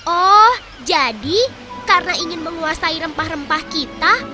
oh jadi karena ingin menguasai rempah rempah kita